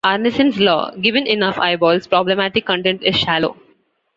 Arnison's Law: "Given enough eyeballs, problematic content is shallow".